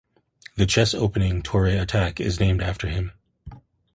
The chess opening Torre Attack is named after him.